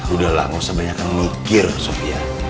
udahlah gak usah banyak mikir sofya